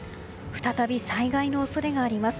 再び災害の恐れがあります。